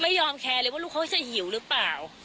ไม่ยอมแคร์เลยว่าลูกเขาจะหิวหรือเปล่า